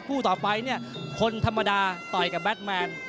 คู่ต่อไปเนี่ยคนธรรมดาต่อยกับแบทแมน